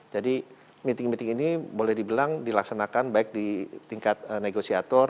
jadi meeting meeting ini boleh dibilang dilaksanakan baik di tingkat negosiator